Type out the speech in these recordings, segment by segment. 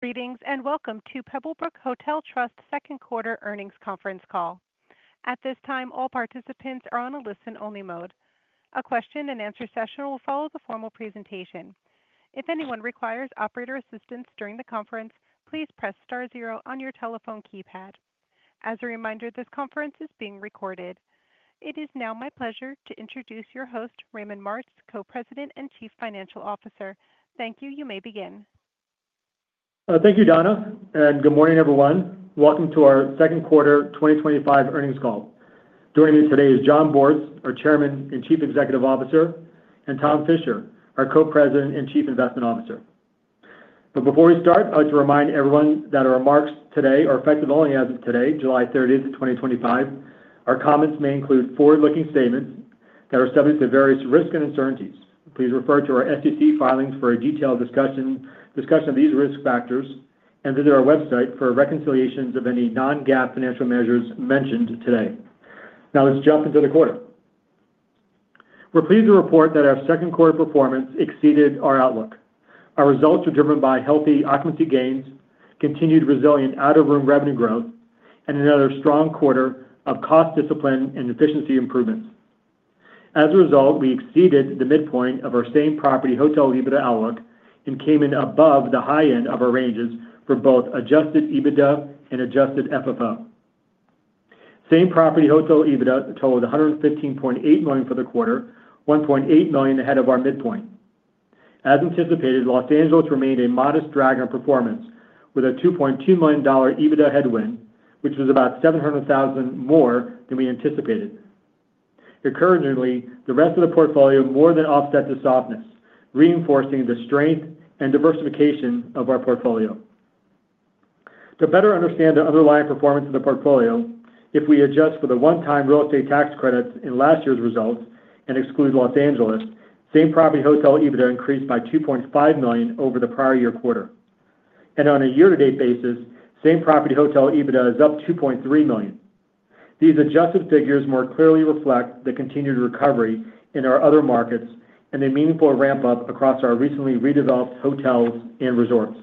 Greetings and welcome to Pebblebrook Hotel Trust's second quarter earnings conference call. At this time, all participants are on a listen-only mode. A question and answer session will follow the formal presentation. If anyone requires operator assistance during the conference, please press star zero on your telephone keypad. As a reminder, this conference is being recorded. It is now my pleasure to introduce your host, Raymond Martz, Co-President and Chief Financial Officer. Thank you. You may begin. Thank you, Donna, and good morning, everyone. Welcome to our second quarter 2025 earnings call. Joining me today is Jon Bortz, our Chairman and Chief Executive Officer, and Tom Fisher, our Co-President and Chief Investment Officer. Before we start, I'd like to remind everyone that our remarks today are effective only as of today, July 30, 2025. Our comments may include forward-looking statements that are subject to various risks and uncertainties. Please refer to our SEC filings for a detailed discussion of these risk factors and visit our website for reconciliations of any non-GAAP financial measures mentioned today. Now let's jump into the quarter. We're pleased to report that our second quarter performance exceeded our outlook. Our results are driven by healthy occupancy gains, continued resilient out-of-room revenue growth, and another strong quarter of cost discipline and efficiency improvements. As a result, we exceeded the midpoint of our same-property hotel EBITDA outlook and came in above the high end of our ranges for both adjusted EBITDA and adjusted FFO. Same-property hotel EBITDA totaled $115.8 million for the quarter, $1.8 million ahead of our midpoint. As anticipated, Los Angeles remained a modest drag on performance with a $2.2 million EBITDA headwind, which was about $700,000 more than we anticipated. Concurrently, the rest of the portfolio more than offsets the softness, reinforcing the strength and diversification of our portfolio. To better understand the underlying performance of the portfolio, if we adjust for the one-time real estate tax credits in last year's results and exclude Los Angeles, same-property hotel EBITDA increased by $2.5 million over the prior year quarter. On a year-to-date basis, same-property hotel EBITDA is up $2.3 million. These adjusted figures more clearly reflect the continued recovery in our other markets and the meaningful ramp-up across our recently redeveloped hotels and resorts.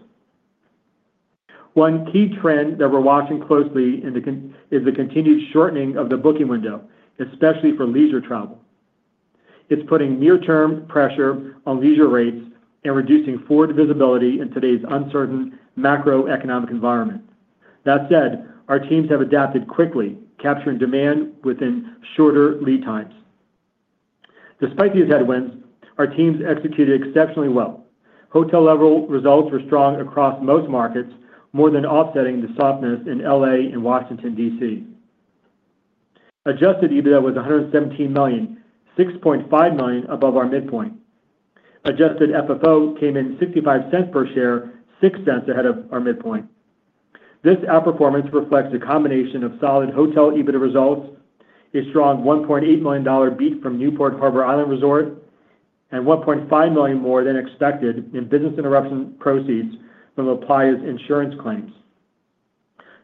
One key trend that we're watching closely is the continued shortening of the booking window, especially for leisure travel. It's putting near-term pressure on leisure rates and reducing forward visibility in today's uncertain macroeconomic environment. That said, our teams have adapted quickly, capturing demand within shorter lead times. Despite these headwinds, our teams executed exceptionally well. Hotel-level results were strong across most markets, more than offsetting the softness in LA and Washington, D.C. Adjusted EBITDA was $117 million, $6.5 million above our midpoint. Adjusted FFO came in $0.65 per share, $0.06 ahead of our midpoint. This outperformance reflects a combination of solid hotel EBITDA results, a strong $1.8 million beat from Newport Harbor Island Resort, and $1.5 million more than expected in business interruption proceeds from La Playa's insurance claims.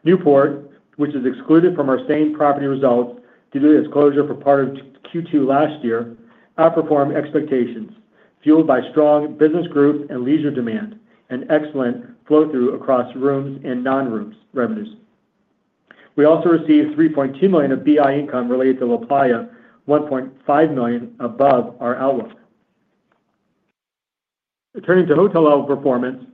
Newport, which is excluded from our same-property results due to its closure for part of Q2 last year, outperformed expectations, fueled by strong business growth and leisure demand and excellent flow-through across rooms and non-rooms revenues. We also received $3.2 million of business interruption income related to La Playa, $1.5 million above our outlook. Turning to hotel-level performance,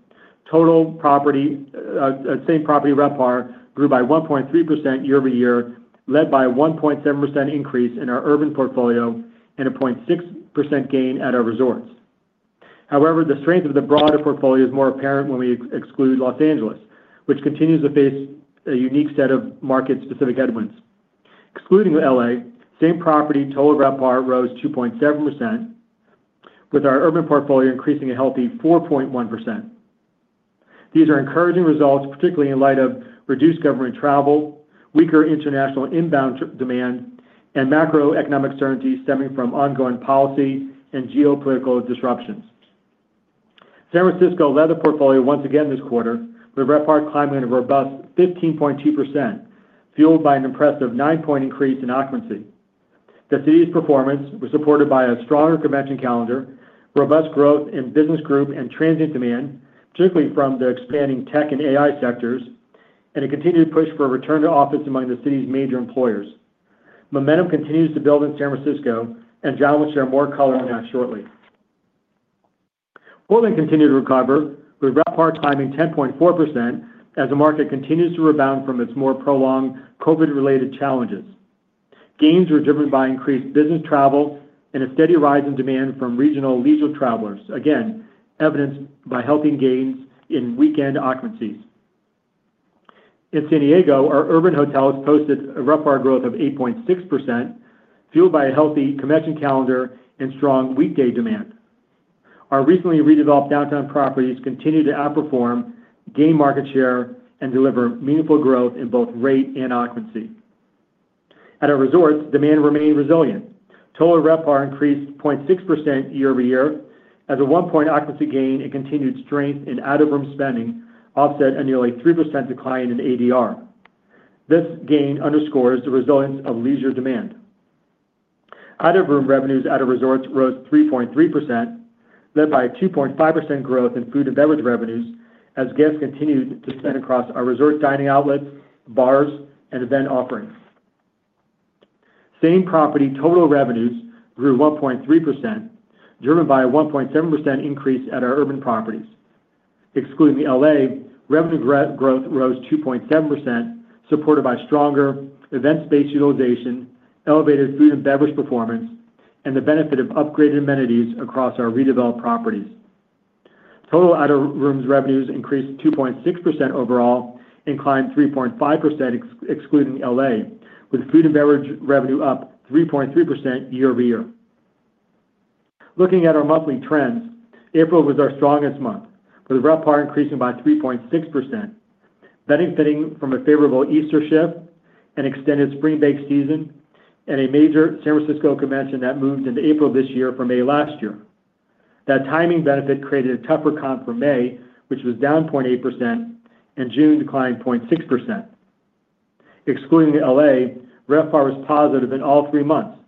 total property at same-property RevPAR grew by 1.3% year-over-year, led by a 1.7% increase in our urban portfolio and a 0.6% gain at our resorts. However, the strength of the broader portfolio is more apparent when we exclude Los Angeles, which continues to face a unique set of market-specific headwinds. Excluding LA, same-property total RevPAR rose 2.7%, with our urban portfolio increasing a healthy 4.1%. These are encouraging results, particularly in light of reduced government travel, weaker international inbound demand, and macro-economic uncertainty stemming from ongoing policy and geopolitical disruptions. San Francisco led the portfolio once again this quarter, with RevPAR climbing at a robust 15.2%, fueled by an impressive nine-point increase in occupancy. The city's performance was supported by a stronger convention calendar, robust growth in business growth and transient demand, particularly from the expanding tech and AI sectors, and a continued push for return to office among the city's major employers. Momentum continues to build in San Francisco, and Jon will share more color on that shortly. Portland continued to recover, with RevPAR climbing 10.4% as the market continues to rebound from its more prolonged COVID-related challenges. Gains were driven by increased business travel and a steady rise in demand from regional leisure travelers, again evidenced by healthy gains in weekend occupancies. In San Diego, our urban hotels posted a RevPAR growth of 8.6%, fueled by a healthy convention calendar and strong weekday demand. Our recently redeveloped downtown properties continue to outperform, gain market share, and deliver meaningful growth in both rate and occupancy. At our resorts, demand remained resilient. Total RevPAR increased 0.6% year-over-year as a one-point occupancy gain and continued strength in out-of-room spending offset a nearly 3% decline in ADR. This gain underscores the resilience of leisure demand. Out-of-room revenues at our resorts rose 3.3%, led by a 2.5% growth in food and beverage revenues as guests continued to spend across our resort dining outlets, bars, and event offerings. Same-property total revenues grew 1.3%, driven by a 1.7% increase at our urban properties. Excluding LA revenue growth rose 2.7%, supported by stronger event space utilization, elevated food and beverage performance, and the benefit of upgraded amenities across our redeveloped properties. Total out-of-room revenues increased 2.6% overall and climbed 3.5%, excluding LA, with food and beverage revenue up 3.3% year-over-year. Looking at our monthly trends, April was our strongest month, with RevPAR increasing by 3.6%, benefiting from a favorable Easter shift and extended spring break season and a major San Francisco convention that moved into April this year from May last year. That timing benefit created a tougher comp for May, which was down 0.8%, and June declined 0.6%. Excluding LA, RevPAR was positive in all three months,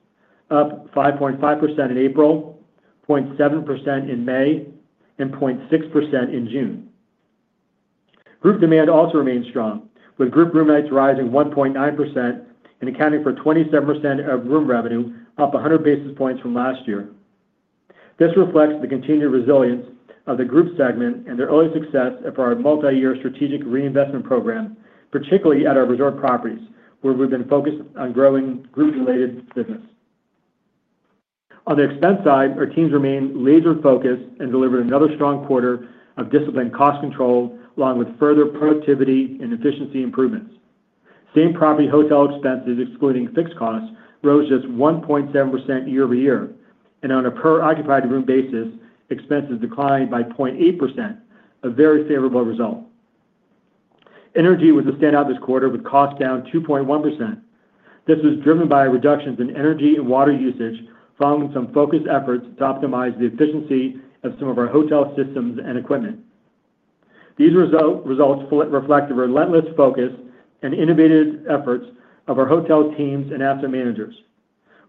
up 5.5% in April, 0.7% in May, and 0.6% in June. Group demand also remained strong, with group room nights rising 1.9% and accounting for 27% of room revenue, up 100 basis points from last year. This reflects the continued resilience of the group segment and the early success of our multi-year strategic reinvestment program, particularly at our resort properties, where we've been focused on growing group-related business. On the expense side, our teams remain laser-focused and delivered another strong quarter of disciplined cost control, along with further productivity and efficiency improvements. Same-property hotel expenses, excluding fixed costs, rose just 1.7% year-over-year, and on a per-occupied room basis, expenses declined by 0.8%, a very favorable result. Energy was a standout this quarter, with costs down 2.1%. This was driven by reductions in energy and water usage following some focused efforts to optimize the efficiency of some of our hotel systems and equipment. These results reflect a relentless focus and innovative efforts of our hotel teams and asset managers.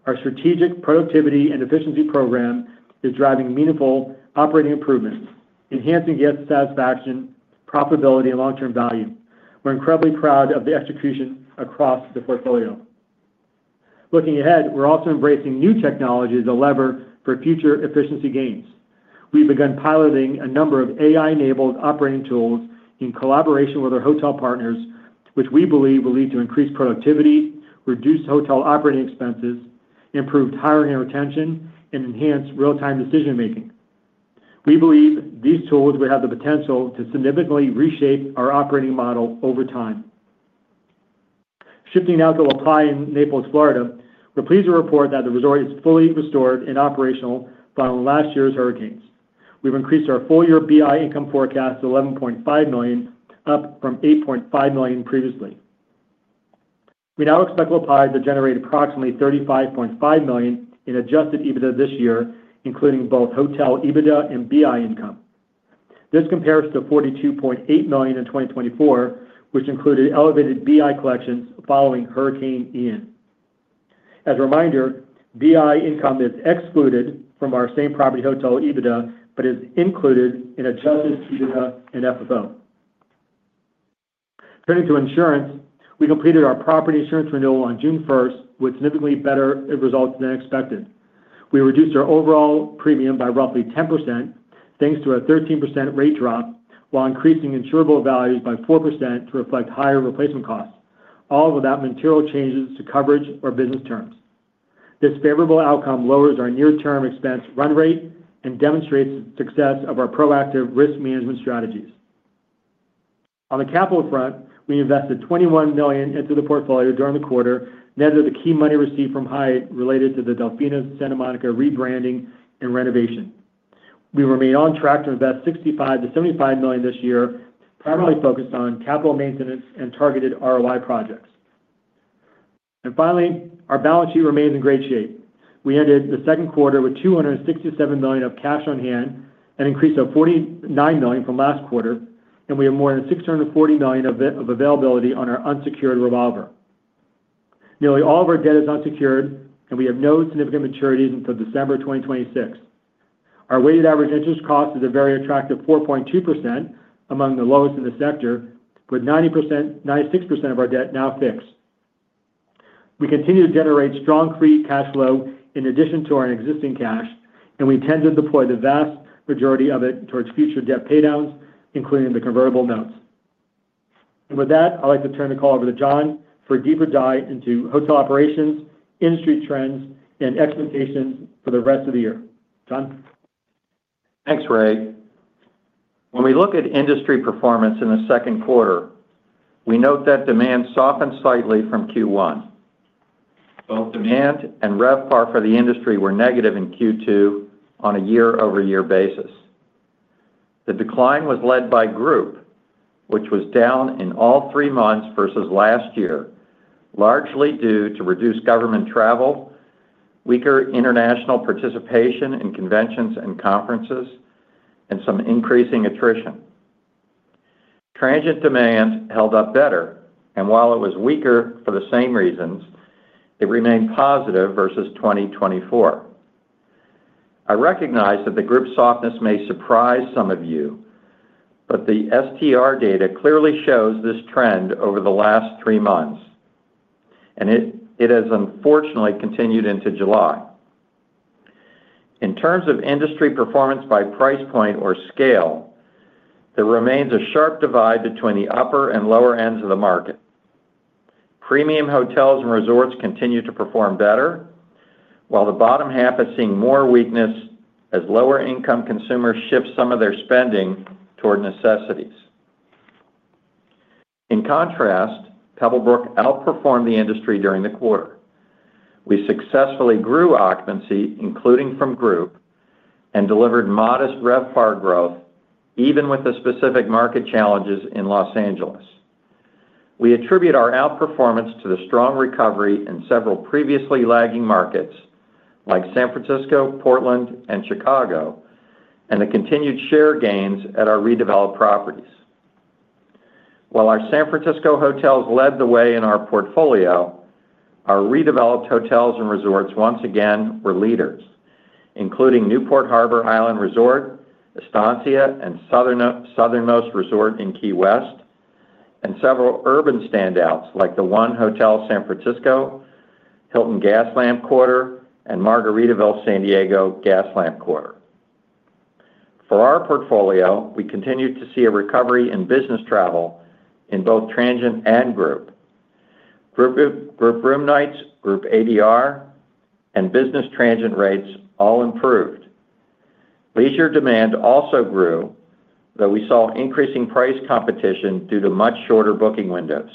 Our strategic productivity and efficiency program is driving meaningful operating improvements, enhancing guest satisfaction, profitability, and long-term value. We're incredibly proud of the execution across the portfolio. Looking ahead, we're also embracing new technology as a lever for future efficiency gains. We've begun piloting a number of AI-enabled operating tools in collaboration with our hotel partners, which we believe will lead to increased productivity, reduced hotel operating expenses, improved hiring and retention, and enhanced real-time decision-making. We believe these tools will have the potential to significantly reshape our operating model over time. Shifting now to La Playa Naples, Florida, we're pleased to report that the resort is fully restored and operational following last year's hurricanes. We've increased our full-year business interruption income forecast to $11.5 million, up from $8.5 million previously. We now expect La Playa to generate approximately $35.5 million in adjusted EBITDA this year, including both hotel EBITDA and business interruption income. This compares to $42.8 million in 2024, which included elevated business interruption collections following Hurricane Ian. As a reminder, business interruption income is excluded from our same-property hotel EBITDA, but is included in adjusted EBITDA and FFO. Turning to insurance, we completed our property insurance renewal on June 1st, with significantly better results than expected. We reduced our overall premium by roughly 10%, thanks to a 13% rate drop, while increasing insurable values by 4% to reflect higher replacement costs, all without material changes to coverage or business terms. This favorable outcome lowers our near-term expense run rate and demonstrates the success of our proactive risk management strategies. On the capital front, we invested $21 million into the portfolio during the quarter, net of the key money received from Hyatt related to the Delfina Santa Monica rebranding and renovation. We remain on track to invest $65 million-$75 million this year, primarily focused on capital maintenance and targeted ROI projects. Finally, our balance sheet remains in great shape. We ended the second quarter with $267 million of cash on hand, an increase of $49 million from last quarter, and we have more than $640 million of availability on our unsecured revolver. Nearly all of our debt is unsecured, and we have no significant maturities until December 2026. Our weighted average interest cost is a very attractive 4.2%, among the lowest in the sector, with 96% of our debt now fixed. We continue to generate strong free cash flow in addition to our existing cash, and we tend to deploy the vast majority of it toward future debt paydowns, including the convertible notes. With that, I'd like to turn the call over to Jon for a deeper dive into hotel operations, industry trends, and expectations for the rest of the year. Jon? Thanks, Ray. When we look at industry performance in the second quarter, we note that demand softened slightly from Q1. Both demand and RevPAR for the industry were negative in Q2 on a year-over-year basis. The decline was led by group, which was down in all three months versus last year, largely due to reduced government travel, weaker international participation in conventions and conferences, and some increasing attrition. Transient demand held up better, and while it was weaker for the same reasons, it remained positive versus 2024. I recognize that the group softness may surprise some of you, but the STR data clearly shows this trend over the last three months, and it has unfortunately continued into July. In terms of industry performance by price point or scale, there remains a sharp divide between the upper and lower ends of the market. Premium hotels and resorts continue to perform better, while the bottom half is seeing more weakness as lower-income consumers shift some of their spending toward necessities. In contrast, Pebblebrook outperformed the industry during the quarter. We successfully grew occupancy, including from group, and delivered modest RevPAR growth, even with the specific market challenges in Los Angeles. We attribute our outperformance to the strong recovery in several previously lagging markets, like San Francisco, Portland, and Chicago, and the continued share gains at our redeveloped properties. While our San Francisco hotels led the way in our portfolio, our redeveloped hotels and resorts once again were leaders, including Newport Harbor Island Resort, Estancia La Jolla Hotel & Spa, and Southernmost Resort in Key West, and several urban standouts like the One Hotel San Francisco, Hilton Gaslamp Quarter, and Margaritaville San Diego Gaslamp Quarter. For our portfolio, we continued to see a recovery in business travel in both transient and group. Group room nights, group ADR, and business transient rates all improved. Leisure demand also grew, though we saw increasing price competition due to much shorter booking windows.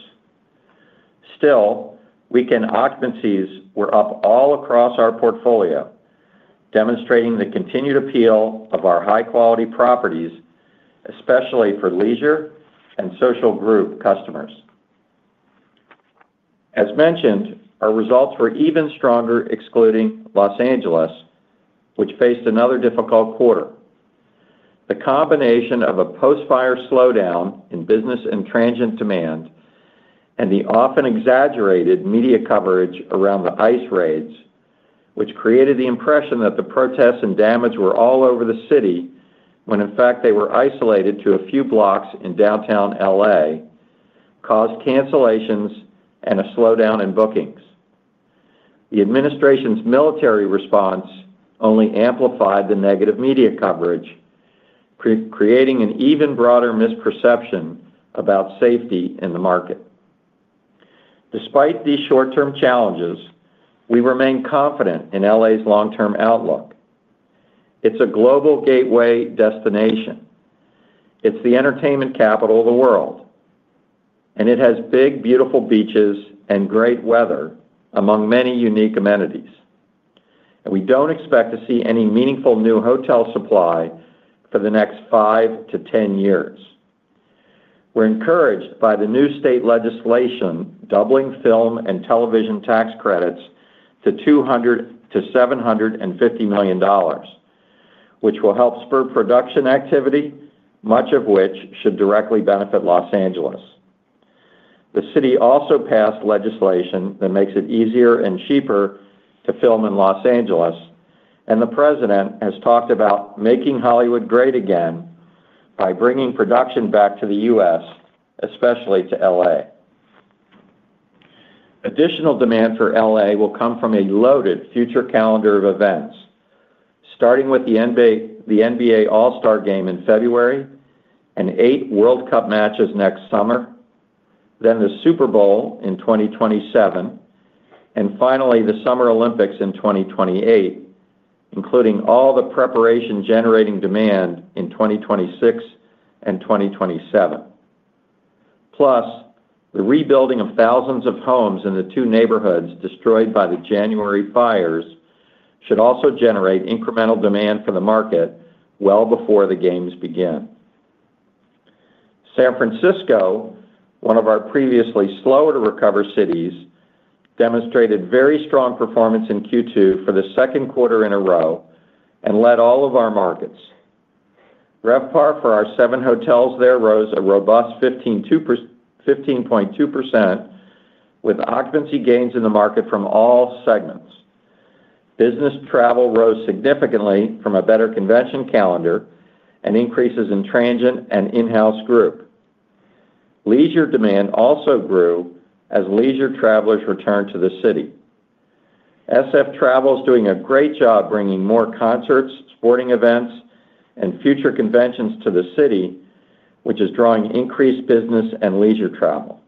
Still, weekend occupancies were up all across our portfolio, demonstrating the continued appeal of our high-quality properties, especially for leisure and social group customers. As mentioned, our results were even stronger, excluding Los Angeles, which faced another difficult quarter. The combination of a post-fire slowdown in business and transient demand and the often exaggerated media coverage around the ICE raids, which created the impression that the protests and damage were all over the city when, in fact, they were isolated to a few blocks in downtown LA caused cancellations and a slowdown in bookings. The administration's military response only amplified the negative media coverage, creating an even broader misperception about safety in the market. Despite these short-term challenges, we remain confident in LA long-term outlook. It's a global gateway destination. It's the entertainment capital of the world, and it has big, beautiful beaches and great weather, among many unique amenities. We don't expect to see any meaningful new hotel supply for the next five to ten years. We're encouraged by the new state legislation doubling film and television tax credits to $200 million to $750 million, which will help spur production activity, much of which should directly benefit Los Angeles. The city also passed legislation that makes it easier and cheaper to film in Los Angeles, and the President has talked about making Hollywood great again by bringing production back to the U.S., especially to LA. Additional demand for LA will come from a loaded future calendar of events, starting with the NBA All-Star Game in February, and eight World Cup matches next summer, then the Super Bowl in 2027, and finally the Summer Olympics in 2028, including all the preparation generating demand in 2026 and 2027. Plus, the rebuilding of thousands of homes in the two neighborhoods destroyed by the January fires should also generate incremental demand for the market well before the games begin. San Francisco, one of our previously slow-to-recover cities, demonstrated very strong performance in Q2 for the second quarter in a row and led all of our markets. RevPAR for our seven hotels there rose a robust 15.2%, with occupancy gains in the market from all segments. Business travel rose significantly from a better convention calendar and increases in transient and in-house group. Leisure demand also grew as leisure travelers returned to the city. SF Travel is doing a great job bringing more concerts, sporting events, and future conventions to the city, which is drawing increased business and leisure travel.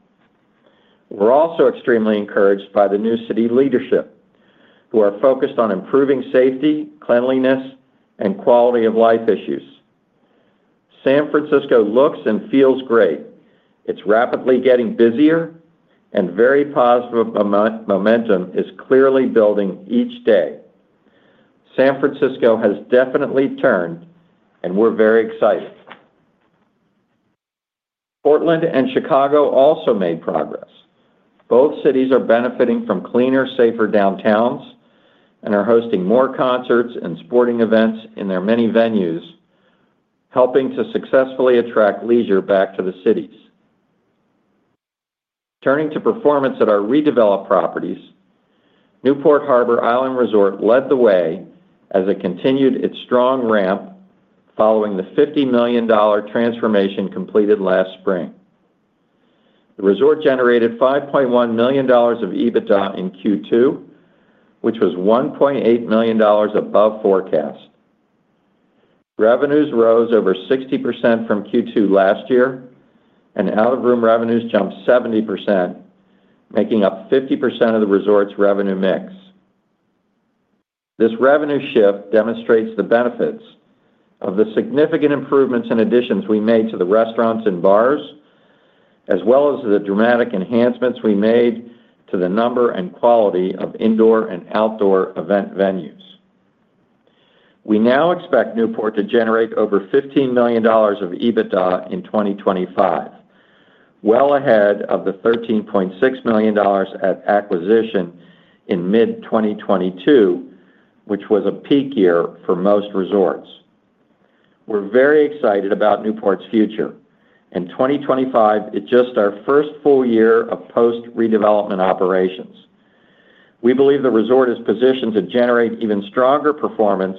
We're also extremely encouraged by the new city leadership, who are focused on improving safety, cleanliness, and quality of life issues. San Francisco looks and feels great. It's rapidly getting busier, and very positive momentum is clearly building each day. San Francisco has definitely turned, and we're very excited. Portland and Chicago also made progress. Both cities are benefiting from cleaner, safer downtowns and are hosting more concerts and sporting events in their many venues, helping to successfully attract leisure back to the cities. Turning to performance at our redeveloped properties, Newport Harbor Island Resort led the way as it continued its strong ramp following the $50 million transformation completed last spring. The resort generated $5.1 million of EBITDA in Q2, which was $1.8 million above forecast. Revenues rose over 60% from Q2 last year, and out-of-room revenues jumped 70%, making up 50% of the resort's revenue mix. This revenue shift demonstrates the benefits of the significant improvements and additions we made to the restaurants and bars, as well as the dramatic enhancements we made to the number and quality of indoor and outdoor event venues. We now expect Newport to generate over $15 million of EBITDA in 2025, well ahead of the $13.6 million at acquisition in mid-2022, which was a peak year for most resorts. We're very excited about Newport's future. In 2025, it's just our first full year of post-redevelopment operations. We believe the resort is positioned to generate even stronger performance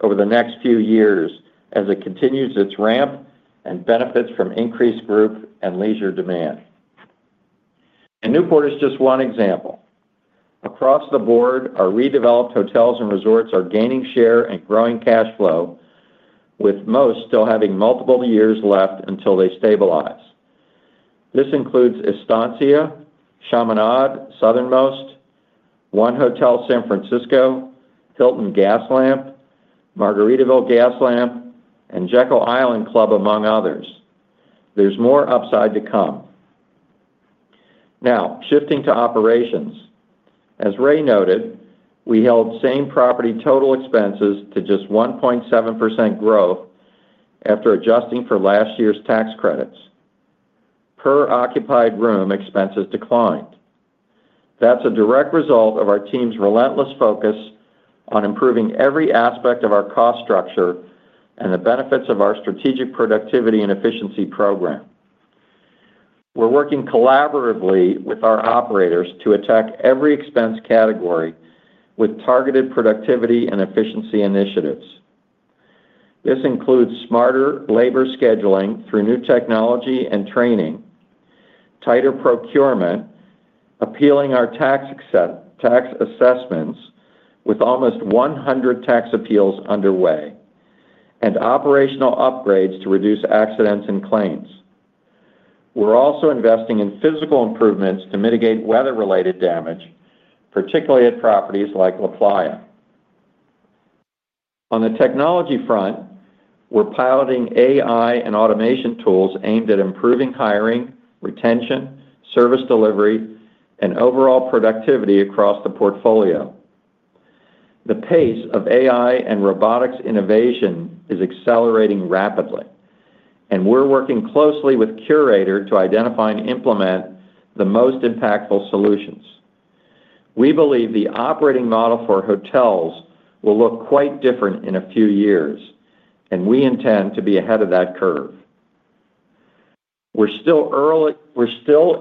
over the next few years as it continues its ramp and benefits from increased group and leisure demand. Newport is just one example. Across the board, our redeveloped hotels and resorts are gaining share and growing cash flow, with most still having multiple years left until they stabilize. This includes Estancia, Chaminade, Southernmost, One Hotel San Francisco, Hilton Gaslamp, Margaritaville Gaslamp, and Jekyll Island Club, among others. There's more upside to come. Now, shifting to operations. As Ray noted, we held same-property total expenses to just 1.7% growth after adjusting for last year's tax credits. Per-occupied room expenses declined. That's a direct result of our team's relentless focus on improving every aspect of our cost structure and the benefits of our strategic productivity and efficiency program. We're working collaboratively with our operators to attack every expense category with targeted productivity and efficiency initiatives. This includes smarter labor scheduling through new technology and training, tighter procurement, appealing our tax assessments with almost 100 tax appeals underway, and operational upgrades to reduce accidents and claims. We're also investing in physical improvements to mitigate weather-related damage, particularly at properties like La Playa. On the technology front, we're piloting AI-enabled operating tools and automation tools aimed at improving hiring, retention, service delivery, and overall productivity across the portfolio. The pace of AI and robotics innovation is accelerating rapidly, and we're working closely with Curator to identify and implement the most impactful solutions. We believe the operating model for hotels will look quite different in a few years, and we intend to be ahead of that curve. We're still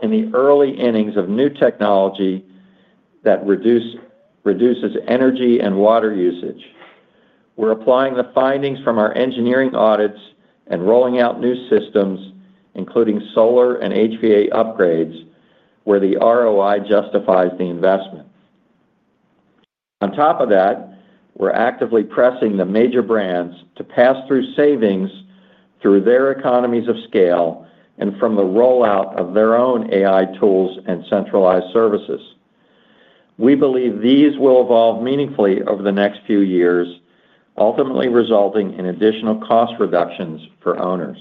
in the early innings of new technology that reduces energy and water usage. We're applying the findings from our engineering audits and rolling out new systems, including solar and HVAC upgrades, where the ROI justifies the investment. On top of that, we're actively pressing the major brands to pass through savings through their economies of scale and from the rollout of their own AI tools and centralized services. We believe these will evolve meaningfully over the next few years, ultimately resulting in additional cost reductions for owners.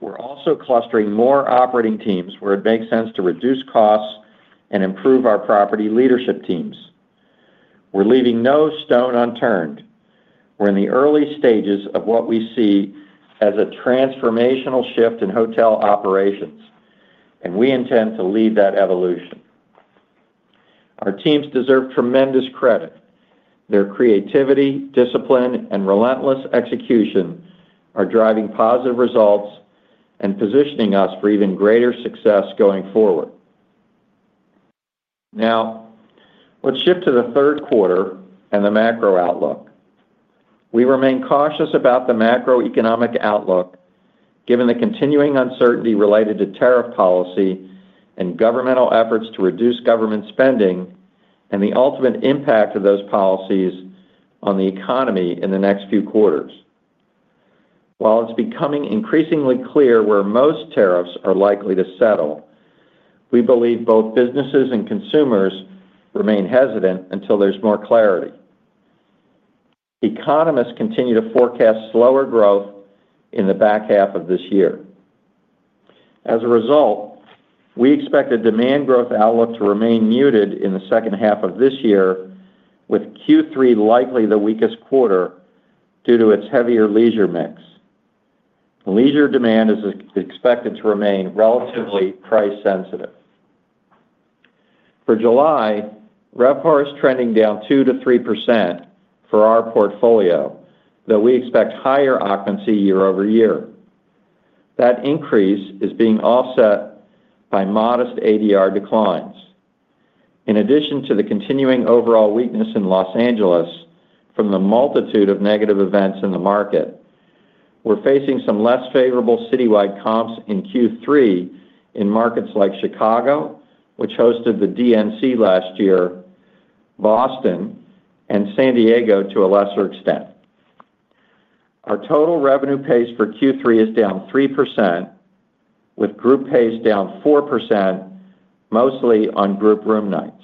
We're also clustering more operating teams where it makes sense to reduce costs and improve our property leadership teams. We're leaving no stone unturned. We're in the early stages of what we see as a transformational shift in hotel operations, and we intend to lead that evolution. Our teams deserve tremendous credit. Their creativity, discipline, and relentless execution are driving positive results and positioning us for even greater success going forward. Now, let's shift to the third quarter and the macro outlook. We remain cautious about the macro-economic outlook, given the continuing uncertainty related to tariff policy and governmental efforts to reduce government spending and the ultimate impact of those policies on the economy in the next few quarters. While it's becoming increasingly clear where most tariffs are likely to settle, we believe both businesses and consumers remain hesitant until there's more clarity. Economists continue to forecast slower growth in the back half of this year. As a result, we expect the demand growth outlook to remain muted in the second half of this year, with Q3 likely the weakest quarter due to its heavier leisure mix. Leisure demand is expected to remain relatively price-sensitive. For July, RevPAR is trending down 2%-3% for our portfolio, though we expect higher occupancy year-over-year. That increase is being offset by modest ADR declines. In addition to the continuing overall weakness in Los Angeles from the multitude of negative events in the market, we're facing some less favorable citywide comps in Q3 in markets like Chicago, which hosted the DNC last year, Boston, and San Diego to a lesser extent. Our total revenue pace for Q3 is down 3%, with group pace down 4%, mostly on group room nights.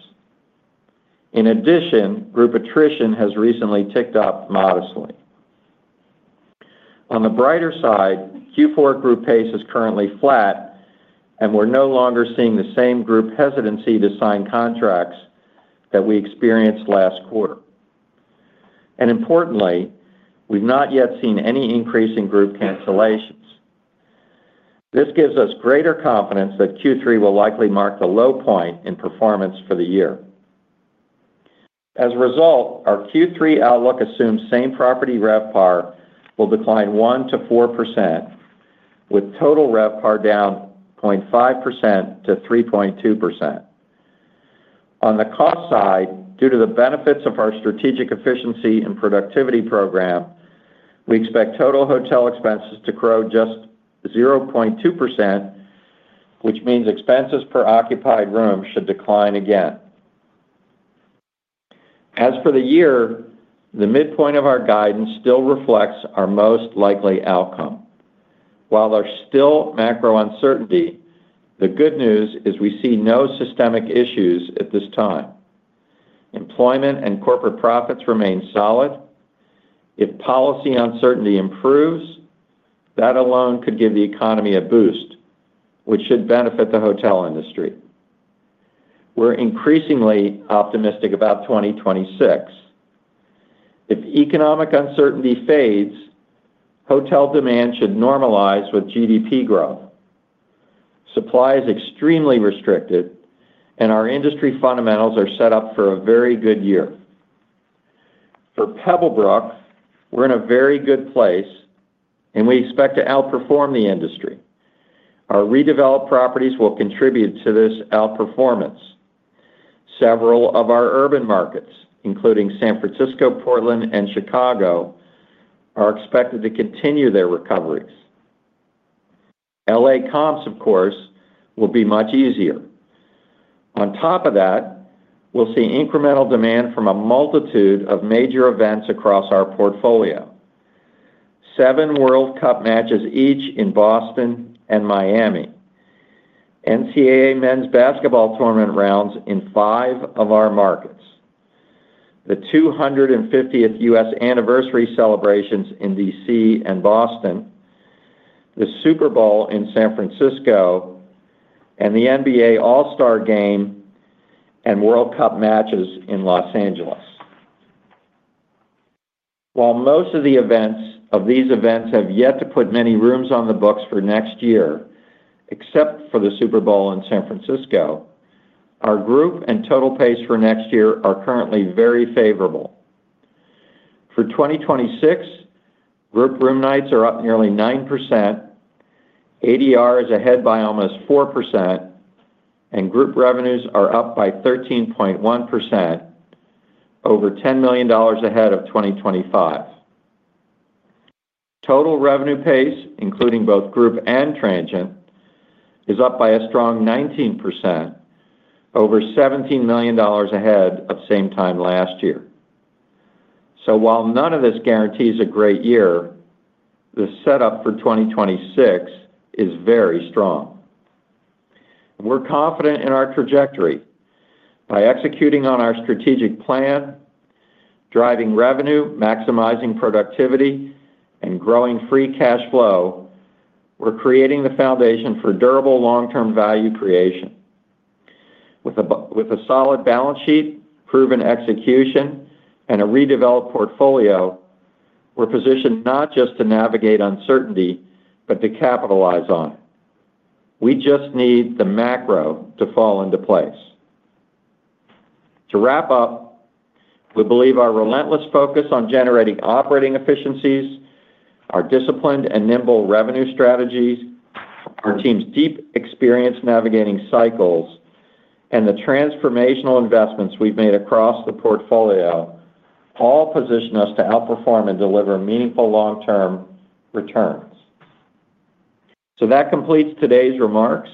In addition, group attrition has recently ticked up modestly. On the brighter side, Q4 group pace is currently flat, and we're no longer seeing the same group hesitancy to sign contracts that we experienced last quarter. Importantly, we've not yet seen any increase in group cancellations. This gives us greater confidence that Q3 will likely mark the low point in performance for the year. As a result, our Q3 outlook assumes same-property RevPAR will decline 1% to 4%, with total RevPAR down 0.5%-3.2%. On the cost side, due to the benefits of our strategic efficiency and productivity program, we expect total hotel expenses to grow just 0.2%, which means expenses per occupied room should decline again. As for the year, the midpoint of our guidance still reflects our most likely outcome. While there's still macro uncertainty, the good news is we see no systemic issues at this time. Employment and corporate profits remain solid. If policy uncertainty improves, that alone could give the economy a boost, which should benefit the hotel industry. We're increasingly optimistic about 2026. If economic uncertainty fades, hotel demand should normalize with GDP growth. Supply is extremely restricted, and our industry fundamentals are set up for a very good year. For Pebblebrook, we're in a very good place, and we expect to outperform the industry. Our redeveloped properties will contribute to this outperformance. Several of our urban markets, including San Francisco, Portland, and Chicago, are expected to continue their recoveries. LA comps, of course, will be much easier. On top of that, we'll see incremental demand from a multitude of major events across our portfolio. Seven World Cup matches each in Boston and Miami. NCAA men's basketball tournament rounds in five of our markets. The 250th U.S. anniversary celebrations in D.C. and Boston, the Super Bowl in San Francisco, and the NBA All-Star Game and World Cup matches in Los Angeles. While most of these events have yet to put many rooms on the books for next year, except for the Super Bowl in San Francisco, our group and total pace for next year are currently very favorable. For 2026, group room nights are up nearly 9%, ADR is ahead by almost 4%, and group revenues are up by 13.1%, over $10 million ahead of 2025. Total revenue pace, including both group and transient, is up by a strong 19%, over $17 million ahead of same time last year. While none of this guarantees a great year, the setup for 2026 is very strong. We're confident in our trajectory. By executing on our strategic plan, driving revenue, maximizing productivity, and growing free cash flow, we're creating the foundation for durable long-term value creation. With a solid balance sheet, proven execution, and a redeveloped portfolio, we're positioned not just to navigate uncertainty, but to capitalize on it. We just need the macro to fall into place. To wrap up, we believe our relentless focus on generating operating efficiencies, our disciplined and nimble revenue strategies, our team's deep experience navigating cycles, and the transformational investments we've made across the portfolio all position us to outperform and deliver meaningful long-term returns. That completes today's remarks.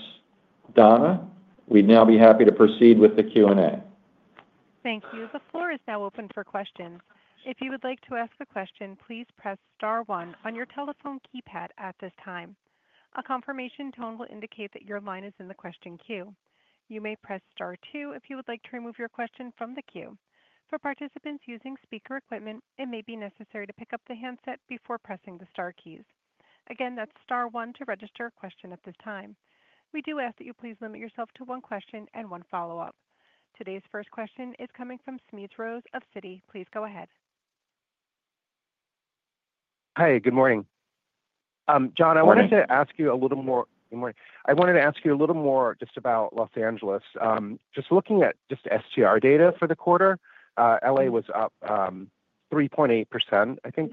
Donna, we'd now be happy to proceed with the Q&A. Thank you. The floor is now open for questions. If you would like to ask a question, please press star one on your telephone keypad at this time. A confirmation tone will indicate that your line is in the question queue. You may press star two if you would like to remove your question from the queue. For participants using speaker equipment, it may be necessary to pick up the handset before pressing the star keys. Again, that's star one to register a question at this time. We do ask that you please limit yourself to one question and one follow-up. Today's first question is coming from Smedes Rose of Citi. Please go ahead. Hi, good morning. Jon, I wanted to ask you a little more I wanted to ask you a little more just about Los Angeles. Just looking at just STR data for the quarter, LA was up 3.8%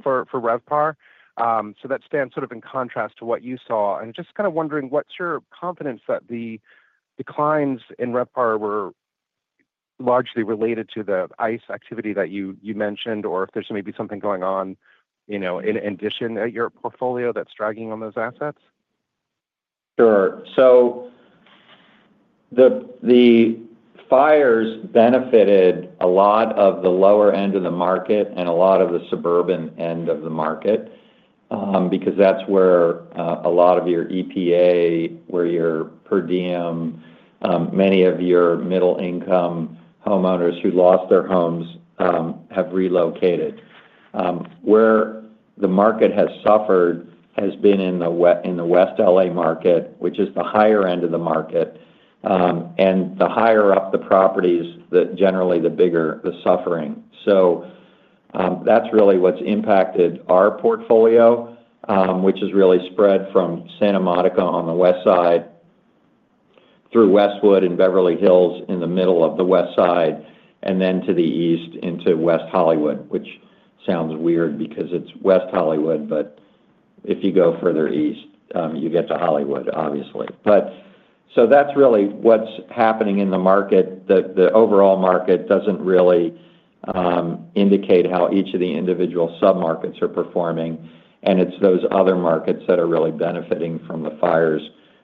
for RevPAR. That stands sort of in contrast to what you saw. I'm just kind of wondering, what's your confidence that the declines in RevPAR were largely related to the ICE activity that you mentioned, or if there's maybe something going on in addition at your portfolio that's dragging on those assets? Sure. The fires benefited a lot of the lower end of the market and a lot of the suburban end of the market because that's where a lot of your EPA, where your per diem, many of your middle-income homeowners who lost their homes have relocated. Where the market has suffered has been in the West LA market, which is the higher end of the market. The higher up the properties, generally the bigger the suffering. That's really what's impacted our portfolio, which is really spread from Santa Monica on the west side through Westwood and Beverly Hills in the middle of the west side, and then to the east into West Hollywood, which sounds weird because it's West Hollywood, but if you go further east, you get to Hollywood, obviously. That's really what's happening in the market. The overall market doesn't really indicate how each of the individual submarkets are performing, and it's those other markets that are really benefiting from the fires,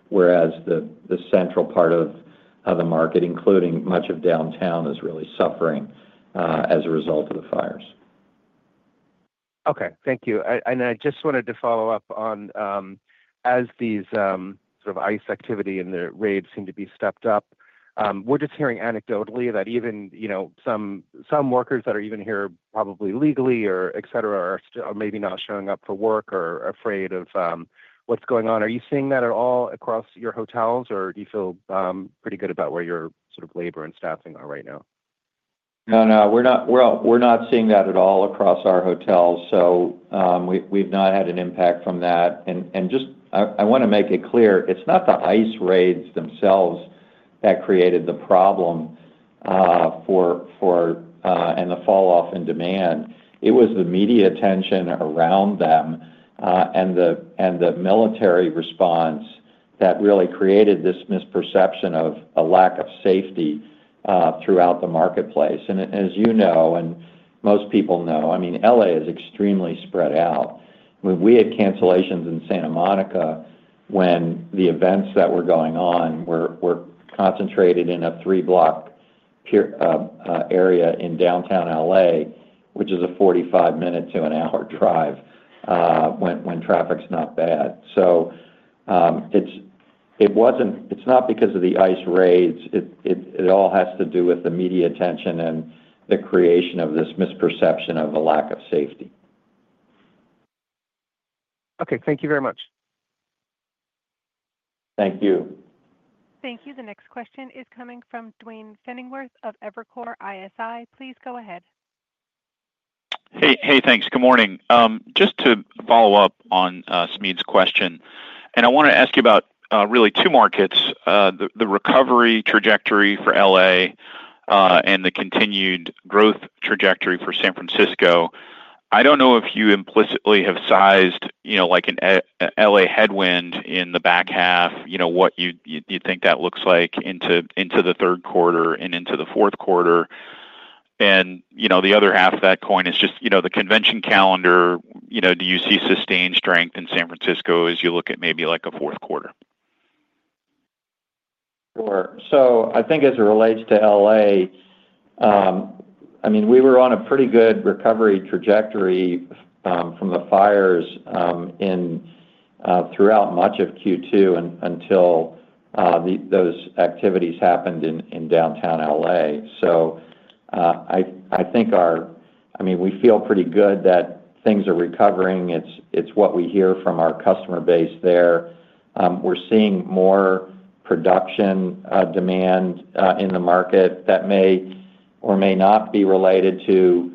whereas the central part of the market, including much of downtown, is really suffering as a result of the fires. Thank you. I just wanted to follow up on, as these sort of ICE activity and the raids seem to be stepped up, we're just hearing anecdotally that even some workers that are even here probably legally or etc. are maybe not showing up for work or afraid of what's going on. Are you seeing that at all across your hotels, or do you feel pretty good about where your sort of labor and staffing are right now? No, we're not seeing that at all across our hotels. We've not had an impact from that. I want to make it clear, it's not the ICE raids themselves that created the problem and the falloff in demand. It was the media attention around them and the military response that really created this misperception of a lack of safety throughout the marketplace. As you know, and most people know, LA is extremely spread out. We had cancellations in Santa Monica when the events that were going on were concentrated in a three-block area in downtown LA, which is a 45-minute to an hour drive when traffic's not bad. It's not because of the ICE raids. It all has to do with the media attention and the creation of this misperception of a lack of safety. Okay, thank you very much. Thank you. Thank you. The next question is coming from Duane Pfennigwerth of Evercore ISI. Please go ahead. Hey, thanks. Good morning. Just to follow up on Smith's question, I want to ask you about really two markets, the recovery trajectory for LA and the continued growth trajectory for San Francisco. I don't know if you implicitly have sized, you know, like a LA headwind in the back half, what you think that looks like into the third quarter and into the fourth quarter. The other half of that coin is just the convention calendar. Do you see sustained strength in San Francisco as you look at maybe like a fourth quarter? Sure. I think as it relates to LA, we were on a pretty good recovery trajectory from the fires throughout much of Q2 until those activities happened in downtown LA. I think we feel pretty good that things are recovering. It's what we hear from our customer base there. We're seeing more production demand in the market that may or may not be related to,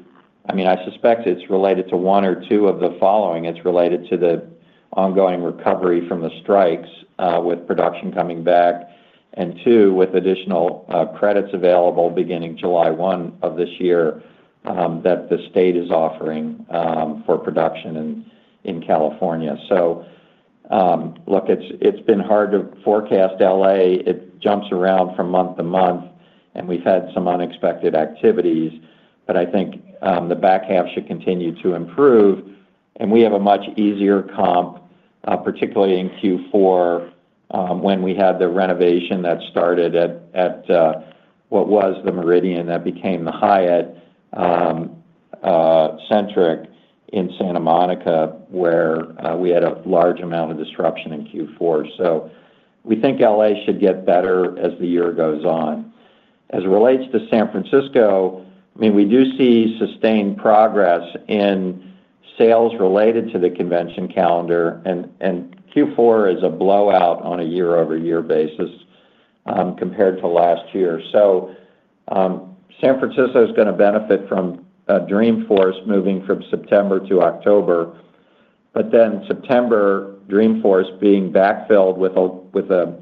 I suspect it's related to one or two of the following. It's related to the ongoing recovery from the strikes with production coming back and, two, with additional credits available beginning July 1 of this year that the state is offering for production in California. It's been hard to forecast LA. It jumps around from month to month, and we've had some unexpected activities. I think the back half should continue to improve. We have a much easier comp, particularly in Q4, when we had the renovation that started at what was the Le Méridien that became the Hyatt Centric in Santa Monica, where we had a large amount of disruption in Q4. We think LA should get better as the year goes on. As it relates to San Francisco, we do see sustained progress in sales related to the convention calendar, and Q4 is a blowout on a year-over-year basis compared to last year. San Francisco is going to benefit from Dreamforce moving from September to October, but then September Dreamforce being backfilled with a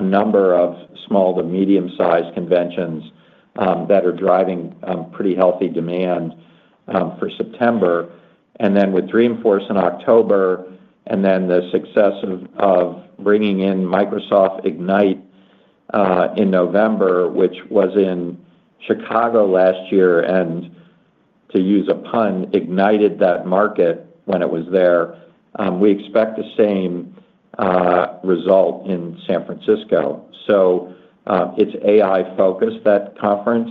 number of small to medium-sized conventions that are driving pretty healthy demand for September. With Dreamforce in October, and then the success of bringing in Microsoft Ignite in November, which was in Chicago last year, and to use a pun, ignited that market when it was there, we expect the same result in San Francisco. It's AI-focused, that conference.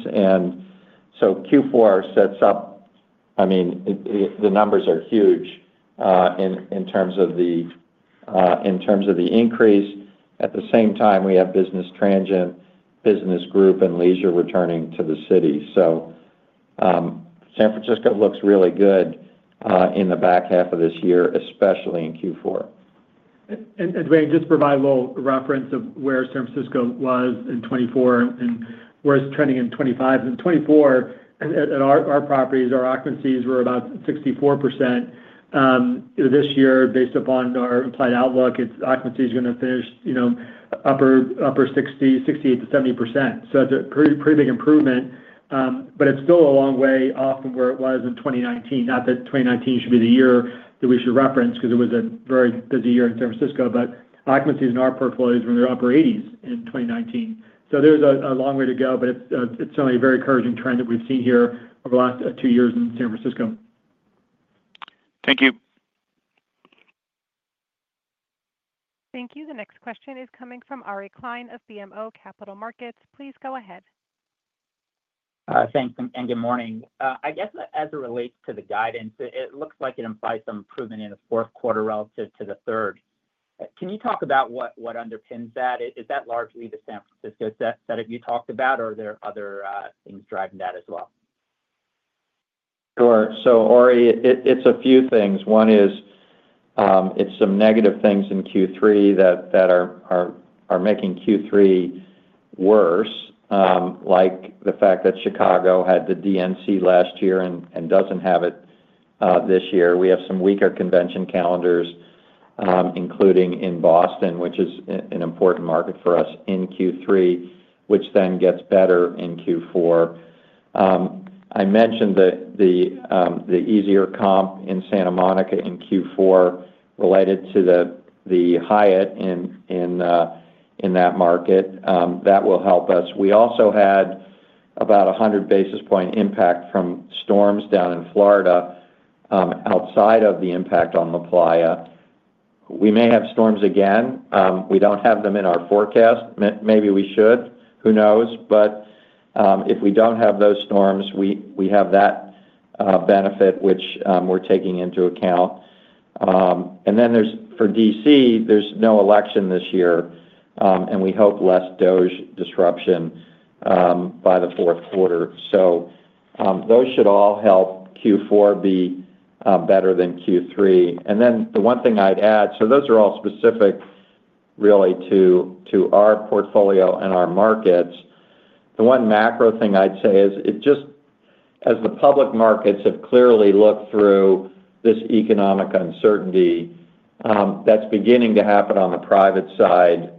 Q4 sets up, the numbers are huge in terms of the increase. At the same time, we have business transient, business group, and leisure returning to the city. San Francisco looks really good in the back half of this year, especially in Q4. Duane, just provide a little reference of where San Francisco was in 2024 and where it's trending in 2025. In 2024, at our properties, our occupancies were about 64%. This year, based upon our implied outlook, its occupancy is going to finish, you know, upper 60%, 68%-70%. That is a pretty big improvement. It is still a long way off from where it was in 2019. Not that 2019 should be the year that we should reference because it was a very busy year in San Francisco, but occupancies in our portfolios were in their upper 80s in 2019. There is a long way to go, but it is certainly a very encouraging trend that we've seen here over the last two years in San Francisco. Thank you. The next question is coming from Ari Klein of BMO Capital Markets. Please go ahead. Thanks, and good morning. I guess as it relates to the guidance, it looks like it implies some improvement in the fourth quarter relative to the third. Can you talk about what underpins that? Is that largely the San Francisco set that you talked about, or are there other things driving that as well? Sure. Ari, it's a few things. One is it's some negative things in Q3 that are making Q3 worse, like the fact that Chicago had the DNC last year and doesn't have it this year. We have some weaker convention calendars, including in Boston, which is an important market for us in Q3, which then gets better in Q4. I mentioned the easier comp in Santa Monica in Q4 related to the Hyatt in that market. That will help us. We also had about a 100 basis point impact from storms down in Florida outside of the impact on La Playa. We may have storms again. We don't have them in our forecast. Maybe we should. Who knows? If we don't have those storms, we have that benefit, which we're taking into account. For D.C., there's no election this year, and we hope less DOJ disruption by the fourth quarter. Those should all help Q4 be better than Q3. The one thing I'd add, those are all specific really to our portfolio and our markets. The one macro thing I'd say is just as the public markets have clearly looked through this economic uncertainty, that's beginning to happen on the private side.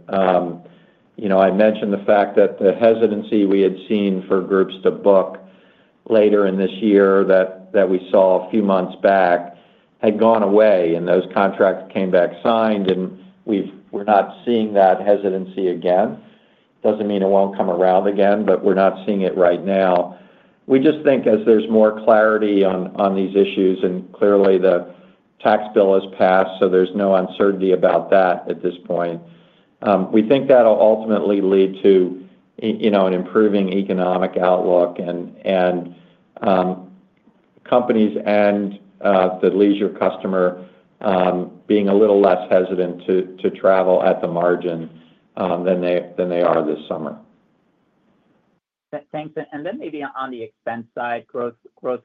I mentioned the fact that the hesitancy we had seen for groups to book later in this year that we saw a few months back had gone away, and those contracts came back signed. We're not seeing that hesitancy again. Doesn't mean it won't come around again, but we're not seeing it right now. We just think as there's more clarity on these issues, and clearly the tax bill has passed, so there's no uncertainty about that at this point. We think that'll ultimately lead to, you know, an improving economic outlook and companies and the leisure customer being a little less hesitant to travel at the margin than they are this summer. Thanks. Maybe on the expense side, growth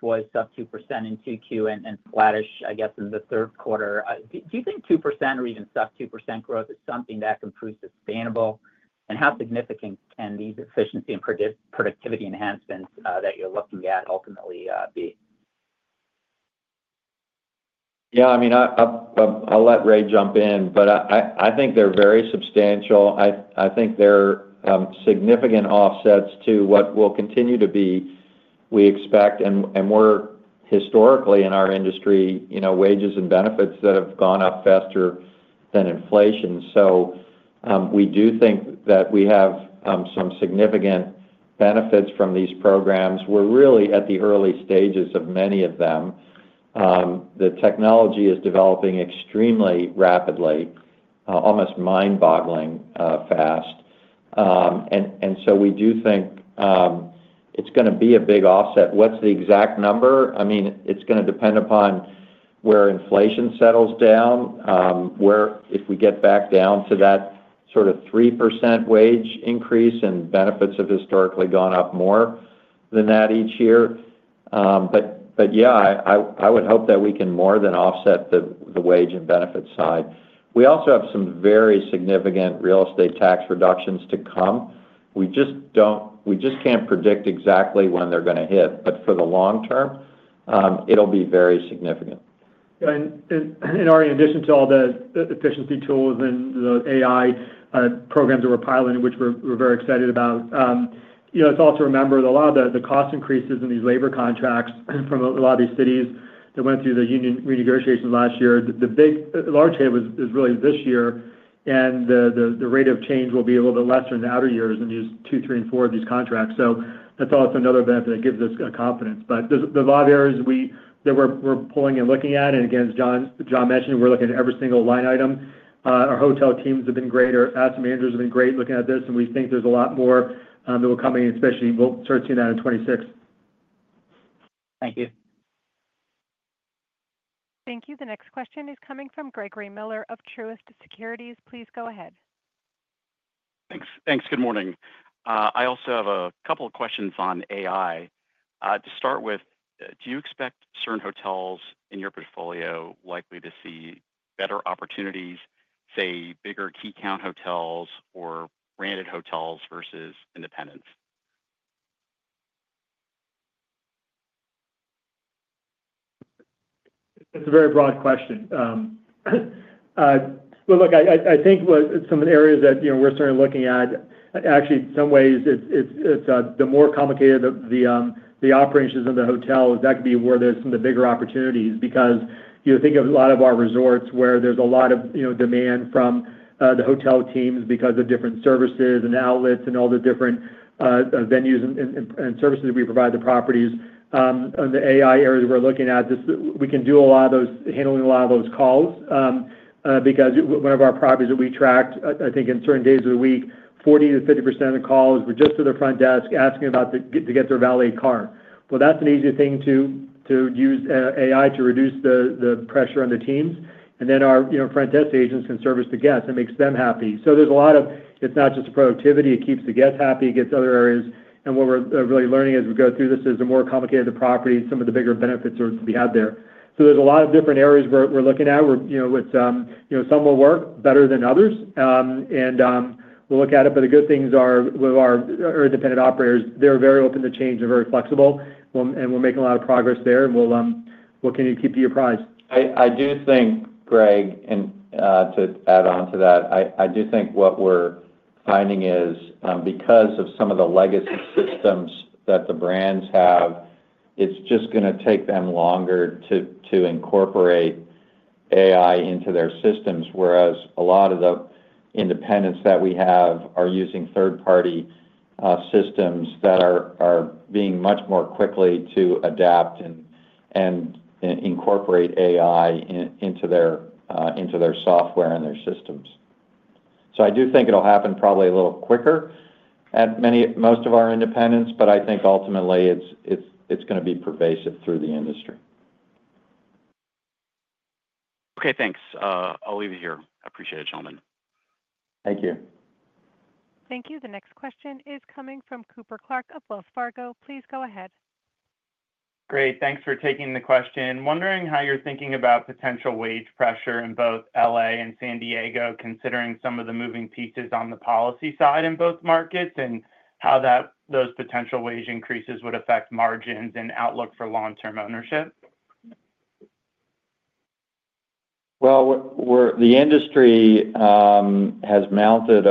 was sub-2% in Q2 and flattish, I guess, in the third quarter. Do you think 2% or even sub-2% growth is something that's improved sustainable? How significant can these efficiency and productivity enhancements that you're looking at ultimately be? Yeah, I mean, I'll let Ray jump in, but I think they're very substantial. I think they're significant offsets to what will continue to be, we expect. In our industry, wages and benefits have gone up faster than inflation. We do think that we have some significant benefits from these programs. We're really at the early stages of many of them. The technology is developing extremely rapidly, almost mind-boggling fast. We do think it's going to be a big offset. What's the exact number? It's going to depend upon where inflation settles down, if we get back down to that sort of 3% wage increase, and benefits have historically gone up more than that each year. I would hope that we can more than offset the wage and benefits side. We also have some very significant real estate tax reductions to come. We just can't predict exactly when they're going to hit. For the long term, it'll be very significant. Ari, in addition to all the efficiency tools and the AI-enabled operating tools that we're piloting, which we're very excited about, it's also important to remember that a lot of the cost increases in these labor contracts from a lot of these cities that went through the union renegotiations last year, the big large hit was really this year. The rate of change will be a little bit lesser in the outer years than years two, three, and four of these contracts. I thought that's another benefit that gives us confidence. There are a lot of areas that we're pulling and looking at. As Jon mentioned, we're looking at every single line item. Our hotel teams have been great. Our asset managers have been great looking at this. We think there's a lot more that will come in, especially we'll start seeing that in 2026. Thank you. Thank you. The next question is coming from Gregory Miller of Truist Securities. Please go ahead. Thanks. Good morning. I also have a couple of questions on AI. To start with, do you expect certain hotels in your portfolio likely to see better opportunities, say, bigger key count hotels or branded hotels versus independents? That's a very broad question. I think some of the areas that we're starting to look at, actually, in some ways, it's the more complicated the operations of the hotels. That could be where there's some of the bigger opportunities because you think of a lot of our resorts where there's a lot of demand from the hotel teams because of different services and outlets and all the different venues and services we provide the properties. On the AI area that we're looking at, we can do a lot of those, handling a lot of those calls because one of our properties that we tracked, I think in certain days of the week, 40%-50% of the calls were just to the front desk asking about to get their valet car. That's an easy thing to use AI to reduce the pressure on the teams. Then our front desk agents can service the guests. It makes them happy. There's a lot of, it's not just the productivity. It keeps the guests happy. It gets other areas. What we're really learning as we go through this is the more complicated the property and some of the bigger benefits to be had there. There are a lot of different areas we're looking at, where some will work better than others, and we'll look at it. The good things are with our independent operators, they're very open to change. They're very flexible. We're making a lot of progress there. We'll keep you apprised. I do think, Greg, to add on to that, I do think what we're finding is because of some of the legacy systems that the brands have, it's just going to take them longer to incorporate AI into their systems. Whereas a lot of the independents that we have are using third-party systems that are being much more quick to adapt and incorporate AI into their software and their systems. I do think it'll happen probably a little quicker at most of our independents, but I think ultimately it's going to be pervasive through the industry. Okay, thanks. I'll leave it here. I appreciate it, gentlemen. Thank you. Thank you. The next question is coming from Cooper Clark of Wells Fargo. Please go ahead. Great. Thanks for taking the question. I'm wondering how you're thinking about potential wage pressure in both LA and San Diego, considering some of the moving pieces on the policy side in both markets and how those potential wage increases would affect margins and outlook for long-term ownership. The industry has mounted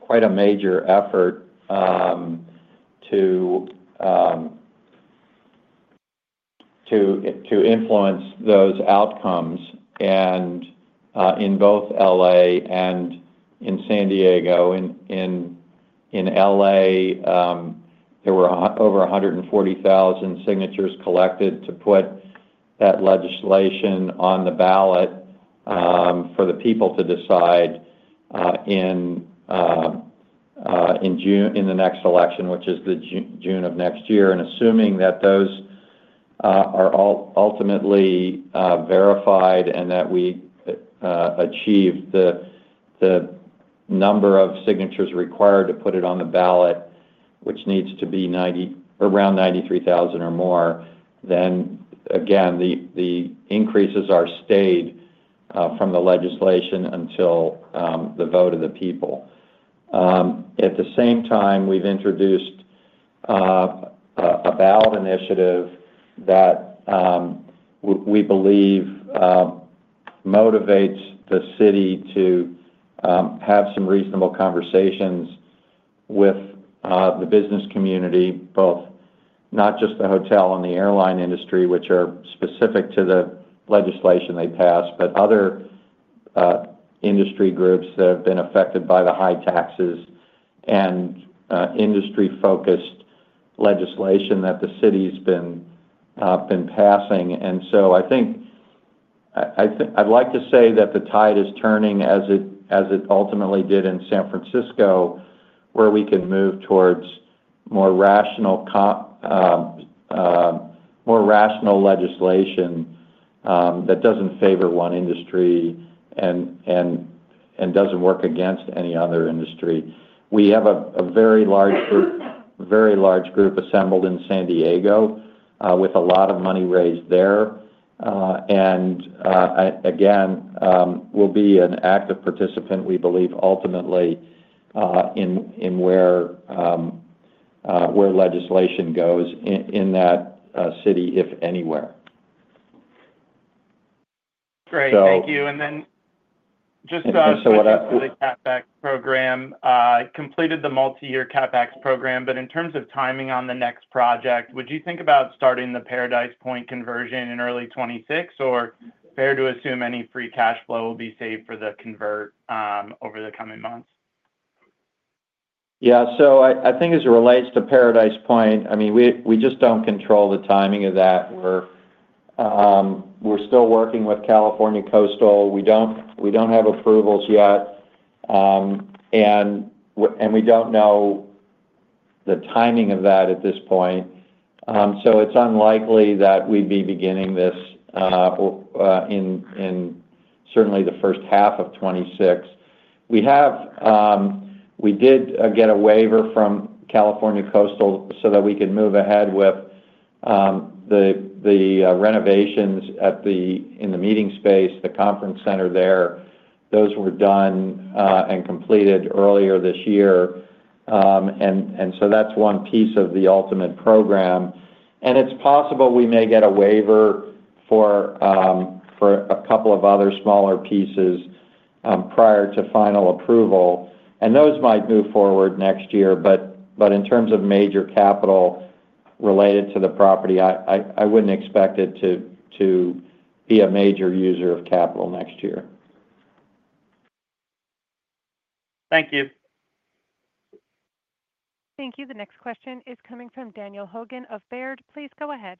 quite a major effort to influence those outcomes in both LA and in San Diego. In LA, there were over 140,000 signatures collected to put that legislation on the ballot for the people to decide in the next election, which is June of next year. Assuming that those are ultimately verified and that we achieve the number of signatures required to put it on the ballot, which needs to be around 93,000 or more, the increases are stayed from the legislation until the vote of the people. At the same time, we've introduced a ballot initiative that we believe motivates the city to have some reasonable conversations with the business community, not just the hotel and the airline industry, which are specific to the legislation they passed, but other industry groups that have been affected by the high taxes and industry-focused legislation that the city's been passing. I think I'd like to say that the tide is turning as it ultimately did in San Francisco, where we can move towards more rational legislation that doesn't favor one industry and doesn't work against any other industry. We have a very large group assembled in San Diego with a lot of money raised there. We'll be an active participant, we believe, ultimately, in where legislation goes in that city, if anywhere. Great, thank you. Just switching to the CapEx program completed the multi-year CapEx program. In terms of timing on the next project, would you think about starting the Paradise Point conversion in early 2026, or is it fair to assume any free cash flow will be saved for the convert over the coming months? Yeah. As it relates to Paradise Point, we just don't control the timing of that. We're still working with California Coastal. We don't have approvals yet, and we don't know the timing of that at this point. It's unlikely that we'd be beginning this in certainly the first half of 2026. We did get a waiver from California Coastal so that we could move ahead with the renovations in the meeting space, the conference center there. Those were done and completed earlier this year, so that's one piece of the ultimate program. It's possible we may get a waiver for a couple of other smaller pieces prior to final approval, and those might move forward next year. In terms of major capital related to the property, I wouldn't expect it to be a major user of capital next year. Thank you. Thank you. The next question is coming from Daniel Hogan of Baird. Please go ahead.